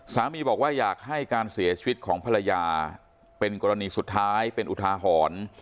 สามีบอกว่าอยากให้การเสียชีวิตของภรรยาเป็นกรณีสุดท้ายเป็นอุทาหรณ์